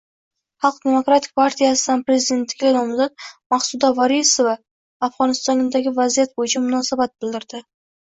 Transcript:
Xalq demokratik partiyasidan prezidentlikka nomzod Maqsuda Vorisova Afg‘onistondagi vaziyat bo‘yicha munosabat bildirdi